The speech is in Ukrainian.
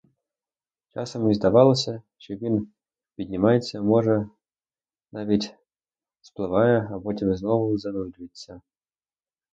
Часом їй здавалося, що він піднімається, може, навіть спливає, а потім знову занурюється.